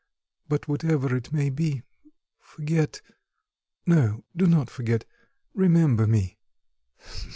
but whatever it may be, forget... no, do not forget; remember me."